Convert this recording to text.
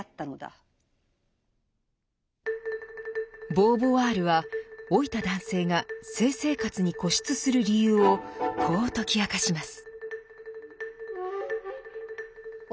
ボーヴォワールは老いた男性が性生活に固執する理由をこう解き明かします。